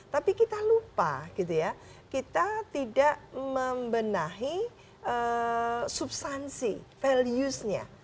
tapi kita lupa gitu ya kita tidak membenahi substansi values nya